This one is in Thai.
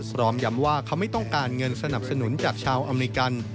พร้อมย้ำว่าเขาไม่ต้องการเงินสนับสนุนจากชาวอเมริกัน